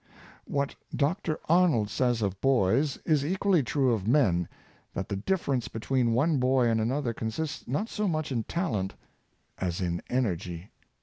What Dr. Arnold says of boys is equally true of men — that the difference between one boy and another con sists not so much in talent as in energy.